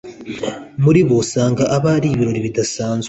muri bo usanga aba ari ibirori bidasanzwe